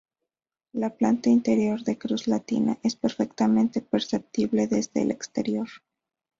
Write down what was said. La planta interior, de cruz latina, es perfectamente perceptible desde el exterior.